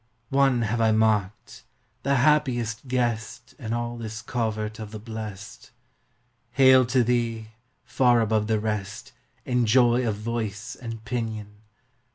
Once have I marked, the happiest guest In all this covert of the blest: Hail to Thee, far above the rest In joy of voice and pinion